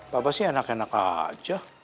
bapak sih enak enak aja